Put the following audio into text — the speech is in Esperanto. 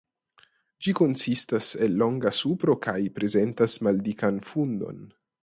Ĝi konsistas el longa supro kaj prezentas maldikan fundon.